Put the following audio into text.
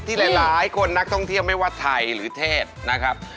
หลายคนนักท่องเที่ยวไม่ว่าไทยหรือเทศนะครับ